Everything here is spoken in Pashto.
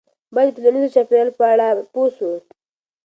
باید د ټولنیز چاپیریال په اړه پوه سو.